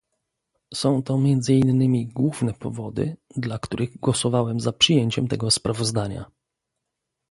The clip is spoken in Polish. Są to między innymi główne powody, dla których głosowałem za przyjęciem tego sprawozdania